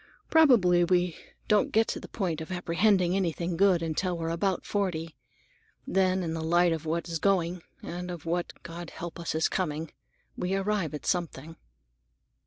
Probably we don't get to the point of apprehending anything good until we're about forty. Then, in the light of what is going, and of what, God help us! is coming, we arrive at understanding."